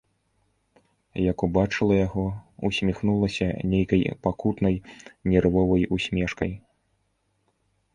Як убачыла яго, усміхнулася нейкай пакутнай нервовай усмешкай.